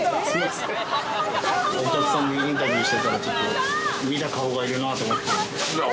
お客さんにインタビューしてたら、ちょっと見た顔がいるなと思って。